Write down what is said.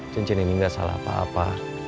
cincin ini nggak salah apa apa